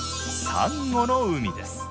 「サンゴの海」です。